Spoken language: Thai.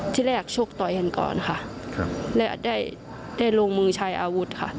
ที่แรกชกต่อยกันก่อนค่ะและได้ได้ลงมือใช้อาวุธค่ะ